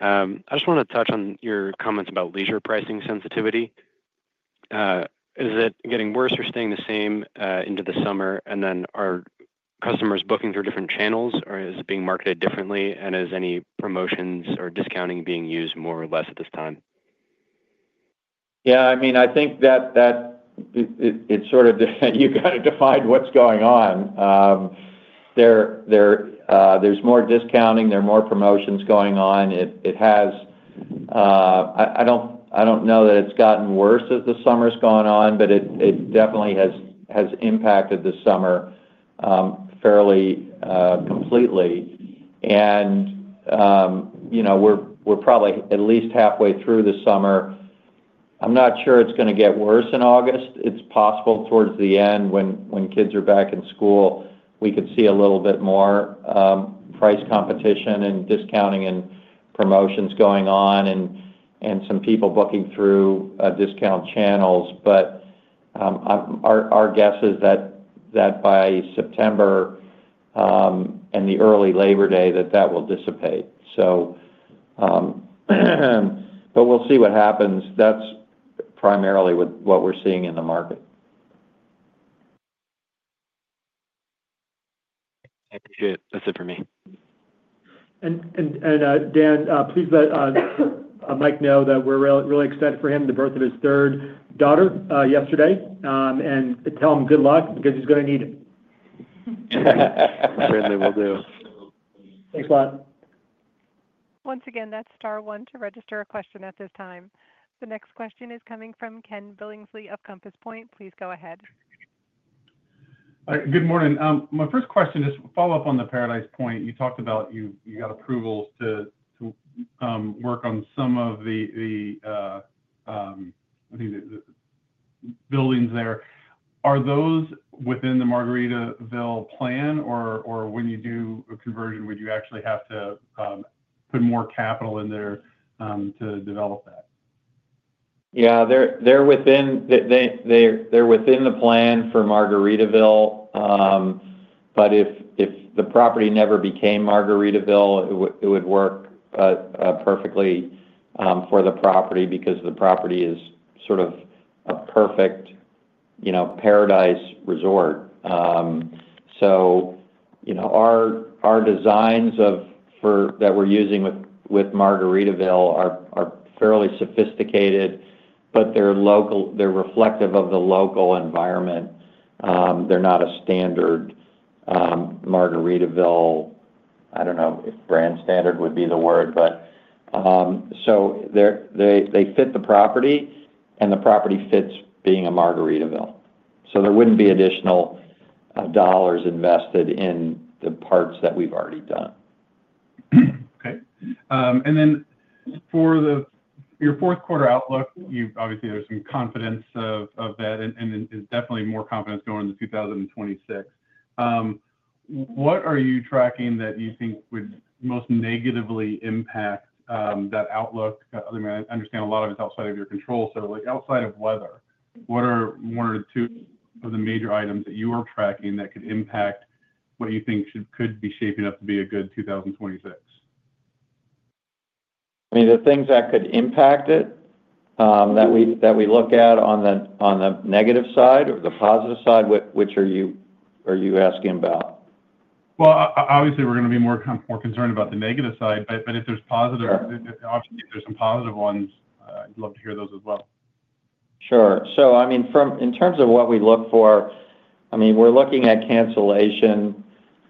I just want to touch on your comments about leisure pricing sensitivity. Is it getting worse or staying the same into the summer, and then are customers booking through different channels, or is it being marketed differently, and is any promotions or discounting being used more or less at this time? Yeah, I mean, I think that it's sort of you got to define what's going on. There's more discounting. There are more promotions going on. I don't know that it's gotten worse as the summer's gone on, but it definitely has impacted the summer fairly completely. You know we're probably at least halfway through the summer. I'm not sure it's going to get worse in August. It's possible towards the end when kids are back in school, we could see a little bit more price competition and discounting and promotions going on and some people booking through discount channels. Our guess is that by September and the early Labor Day, that will dissipate. We'll see what happens. That's primarily what we're seeing in the market. That's it for me. Please let Mike know that we're really excited for him, the birth of his third daughter yesterday, and tell him good luck because he's going to need it. Certainly will do. Once again, that's star one to register a question at this time. The next question is coming from Ken Billingsley of Compass Point. Please go ahead. Good morning. My first question is to follow up on the Paradise Point. You talked about you got approvals to work on some of the buildings there. Are those within the Margaritaville plan, or when you do a conversion, would you actually have to put more capital in there to develop that? Yeah, they're within the plan for Margaritaville. If the property never became Margaritaville, it would work perfectly for the property because the property is sort of a perfect, you know, paradise resort. Our designs that we're using with Margaritaville are fairly sophisticated, but they're local. They're reflective of the local environment. They're not a standard Margaritaville. I don't know if brand standard would be the word, but they fit the property, and the property fits being a Margaritaville. There wouldn't be additional dollars invested in the parts that we've already done. Okay. For your fourth quarter outlook, you obviously have some confidence of that, and there's definitely more confidence going into 2026. What are you tracking that you think would most negatively impact that outlook? I mean, I understand a lot of it's outside of your control. Outside of weather, what are one or two of the major items that you are tracking that could impact what you think could be shaping up to be a good 2026? I mean, the things that could impact it that we look at on the negative side or the positive side, which are you asking about? Obviously, we're going to be more concerned about the negative side, but if there's positive, if there's some positive ones, I'd love to hear those as well. Sure. In terms of what we look for, we're looking at cancellation,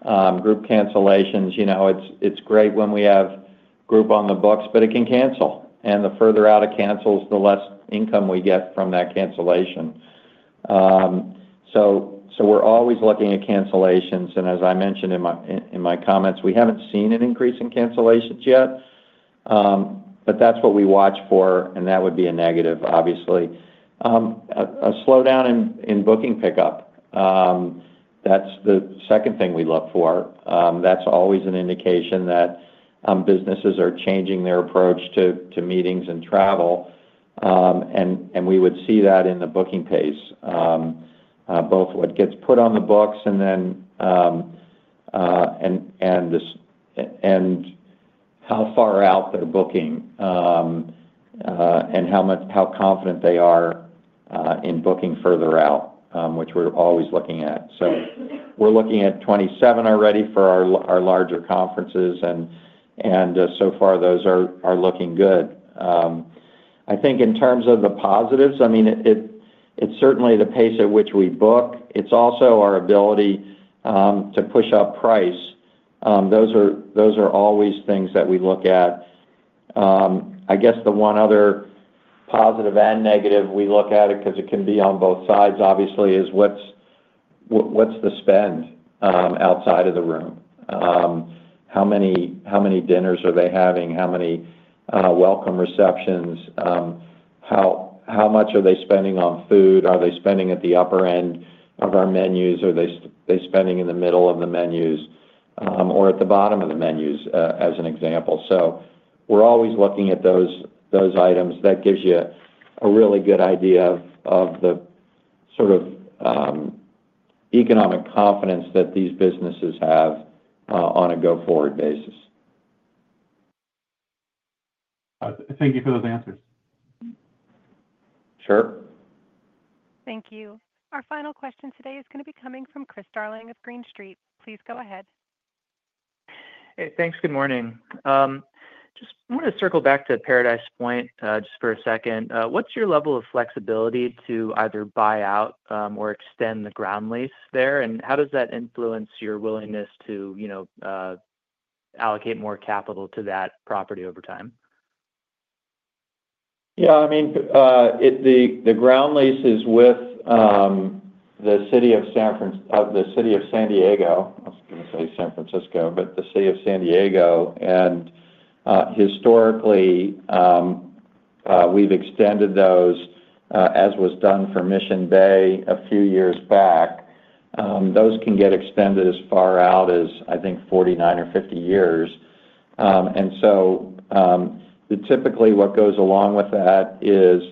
group cancellations. It's great when we have a group on the books, but it can cancel. The further out it cancels, the less income we get from that cancellation. We're always looking at cancellations. As I mentioned in my comments, we haven't seen an increase in cancellations yet, but that's what we watch for, and that would be a negative, obviously. A slowdown in booking pickup is the second thing we look for. That's always an indication that businesses are changing their approach to meetings and travel. We would see that in the booking pace, both what gets put on the books and then how far out they're booking and how confident they are in booking further out, which we're always looking at. We're looking at 2027 already for our larger conferences, and so far, those are looking good. I think in terms of the positives, it's certainly the pace at which we book. It's also our ability to push up price. Those are always things that we look at. I guess the one other positive and negative we look at, because it can be on both sides, obviously, is what's the spend outside of the room. How many dinners are they having? How many welcome receptions? How much are they spending on food? Are they spending at the upper end of our menus? Are they spending in the middle of the menus or at the bottom of the menus as an example? We're always looking at those items. That gives you a really good idea of the sort of economic confidence that these businesses have on a go-forward basis. Thank you for those answers. Sure. Thank you. Our final question today is going to be coming from Chris Darling of Green Street. Please go ahead. Hey, thanks. Good morning. I just want to circle back to Paradise Point for a second. What's your level of flexibility to either buy out or extend the ground lease there? How does that influence your willingness to allocate more capital to that property over time? Yeah, I mean, the ground lease is with the City of San Diego. I was going to say San Francisco, but the City of San Diego. Historically, we've extended those, as was done for Mission Bay a few years back. Those can get extended as far out as, I think, 49 or 50 years. Typically, what goes along with that is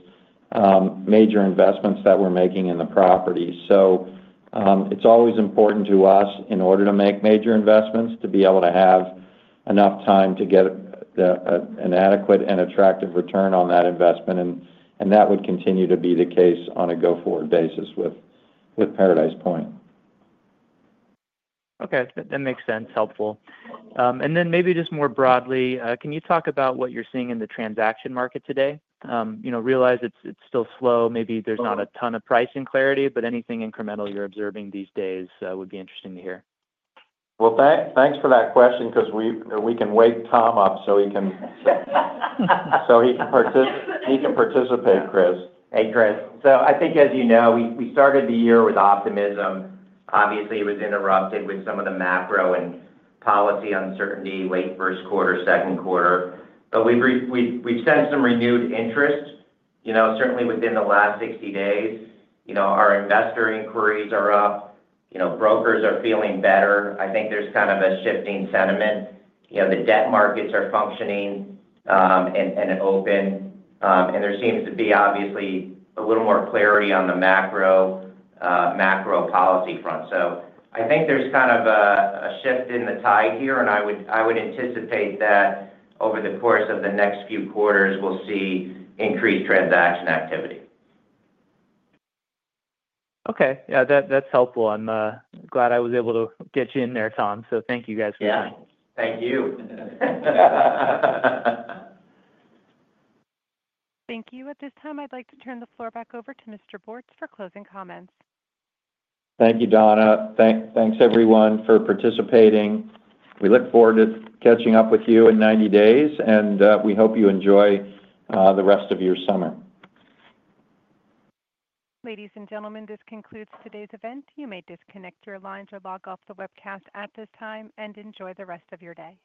major investments that we're making in the property. It's always important to us, in order to make major investments, to be able to have enough time to get an adequate and attractive return on that investment. That would continue to be the case on a go-forward basis with Paradise Point. Okay. That makes sense. Helpful. Maybe just more broadly, can you talk about what you're seeing in the transaction market today? You know, realize it's still slow. Maybe there's not a ton of pricing clarity, but anything incremental you're observing these days would be interesting to hear. Thanks for that question because we can wake Tom up so he can participate, Chris. Hey, Chris. I think, as you know, we started the year with optimism. Obviously, it was interrupted with some of the macro and policy uncertainty late first quarter, second quarter. We've sensed some renewed interest. Certainly within the last 60 days, our investor inquiries are up. Brokers are feeling better. I think there's kind of a shifting sentiment. The debt markets are functioning and open, and there seems to be a little more clarity on the macro policy front. I think there's kind of a shift in the tide here. I would anticipate that over the course of the next few quarters, we'll see increased transaction activity. Okay, that's helpful. I'm glad I was able to get you in there, Tom. Thank you guys for that. Thank you. Thank you. At this time, I'd like to turn the floor back over to Mr. Bortz for closing comments. Thank you, Donna. Thanks, everyone, for participating. We look forward to catching up with you in 90 days, and we hope you enjoy the rest of your summer. Ladies and gentlemen, this concludes today's event. You may disconnect your lines or log off the webcast at this time and enjoy the rest of your day.